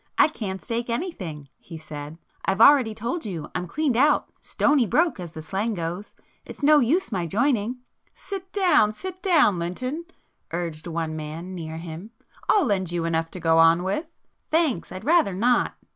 "I can't stake anything," he said; "I've already told you I'm cleaned out,—'stony broke,' as the slang goes. It's no use my joining." "Sit down, sit down, Lynton!" urged one man near him. "I'll lend you enough to go on with." "Thanks, I'd rather not!"